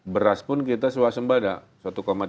beras pun kita sewasembadak